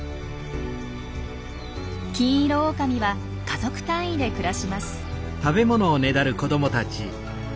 キンイロオオカミは家族単位で暮らします。